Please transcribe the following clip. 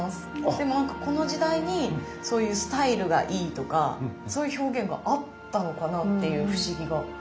でもなんかこの時代にそういうスタイルがいいとかそういう表現があったのかなっていう不思議が。